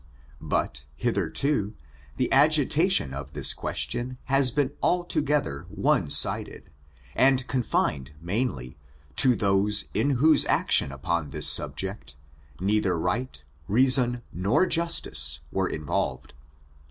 But, hitherto, the agitation of this question has been altogether one sided, and confined mainly to those in whose action upon this subject, neither right, reason, nor justice, were involved.